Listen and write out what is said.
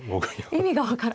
意味が分から。